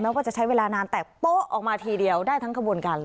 ว่าจะใช้เวลานานแต่โป๊ะออกมาทีเดียวได้ทั้งขบวนการเลย